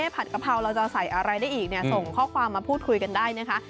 ผัดกะเพราเราจะใส่อะไรได้อีกส่งข้อความมาพูดคุยกันได้นะคะ